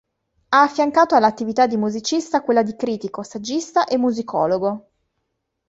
Ha affiancato all'attività di musicista quella di critico, saggista e musicologo.